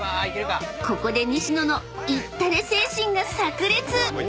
［ここで西野のいったれ精神が炸裂！］